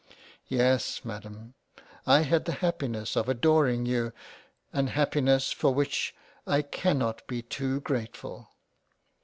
Yes Madam, I had the happi ness of adoring you, an happiness for which I cannot be too grateful.